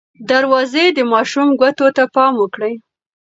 دروازې د ماشوم ګوتو ته پام وکړئ.